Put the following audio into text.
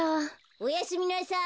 ・おやすみなさい！